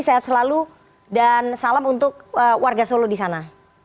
sehat selalu dan salam untuk warga solo di sana